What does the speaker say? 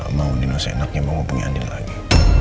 gue cuma mau nino seenaknya mau hubungi andien lagi